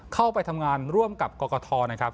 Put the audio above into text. เข้าไปทำงานร่วมกับกรกฐนะครับ